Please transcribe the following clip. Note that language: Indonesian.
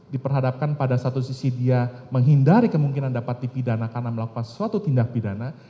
diperhadapkan pada satu sisi dia menghindari kemungkinan dapat dipidana karena melakukan suatu tindak pidana